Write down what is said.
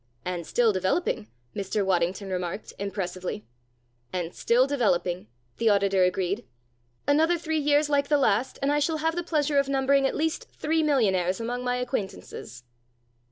"And still developing," Mr. Waddington remarked, impressively. "And still developing," the auditor agreed. "Another three years like the last and I shall have the pleasure of numbering at least three millionaires among my acquaintances."